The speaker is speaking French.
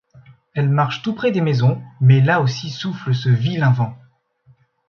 Elle marche tout près des maisons, mais là aussi souffle ce vilain vent.